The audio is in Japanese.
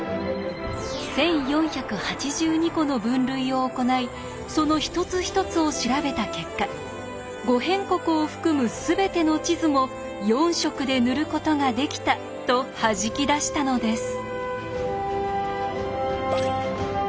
１４８２個の分類を行いその一つ一つを調べた結果「五辺国」を含む全ての地図も４色で塗ることができたとはじき出したのです。